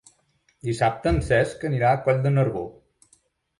Dissabte en Cesc anirà a Coll de Nargó.